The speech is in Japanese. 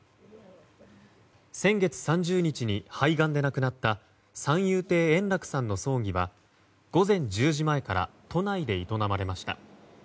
先月３０日に肺がんで亡くなった三遊亭円楽さんの葬儀は午前１０時前から都内で営まれました。